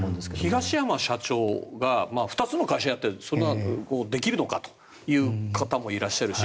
東山社長が２つの会社をやってそれができるのかという方もいらっしゃるし。